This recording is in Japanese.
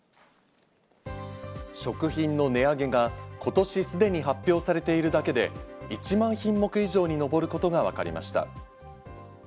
食品の値上げが今年すでに発表されているだけで１万品目以上に上ることがわかりました。